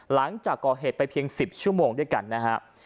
หลังจากก่อเหตุไปเพียง๑๐ชั่วโมงด้วยกันนะฮะ